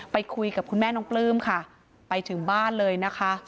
ไปคุยกับคุณแม่น้องปลื้มค่ะไปถึงบ้านเลยนะคะ